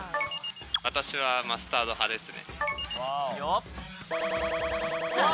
私はマスタード派ですね。